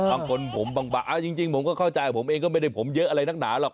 บางคนผมบางเอาจริงผมก็เข้าใจผมเองก็ไม่ได้ผมเยอะอะไรนักหนาหรอก